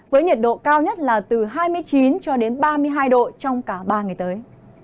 với nhiệt độ cao nhất là từ hai mươi chín ba mươi hai độ trong cả ba ngày tới